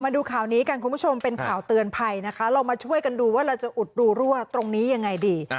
มาดูข่าวนี้กันคุณผู้ชมเป็นข่าวเตือนภัยนะคะเรามาช่วยกันดูว่าเราจะอุดดูรั่วตรงนี้ยังไงดี